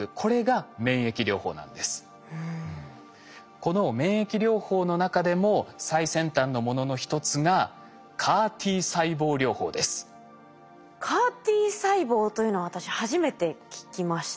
この免疫療法の中でも最先端のものの一つがＣＡＲ−Ｔ細胞というのは私初めて聞きました。